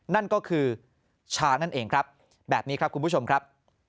นั่นก็คือชานั่นเองครับแบบนี้ครับคุณผู้ชมครับ